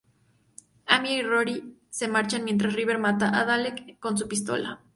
Amy y Rory se marchan mientras River mata al Dalek con su pistola.